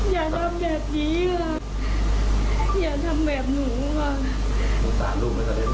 อย่าทำแบบนี้ค่ะอย่าทำแบบนูุ่ค่ะ